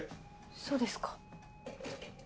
そうですか。